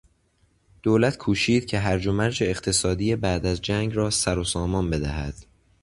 دولت کوشید که هرج و مرج اقتصادی بعد از جنگ را سرو سامان بدهد.